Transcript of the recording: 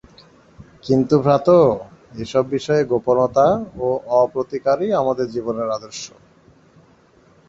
কিন্তু ভ্রাতঃ, এ সব বিষয়ে গোপনতা ও অপ্রতিকারই আমাদের জীবনের আদর্শ।